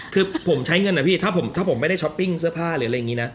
คือผมใช้เงินนะพี่ถ้าผมไม่ได้ช้อปปิ้งเสื้อผ้าหรืออะไรอย่างนี้นะ